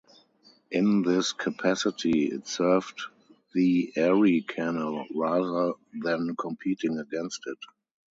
In this capacity, it served the Erie Canal rather than competing against it.